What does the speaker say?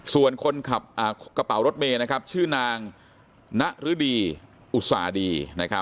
ส่วนคนขับกระเป๋ารถเมย์ชื่อนางนฤดีอุตสาดี